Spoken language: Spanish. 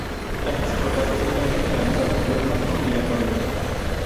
Trajes y corbatas están generalizados, pero no son obligatorios.